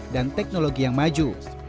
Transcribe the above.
dan teknologi yang maju